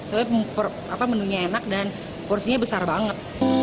soalnya menunya enak dan porsinya besar banget